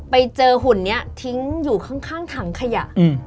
ไปเจอหุ่นนี้ทิ้งอยู่ข้างถังขยะ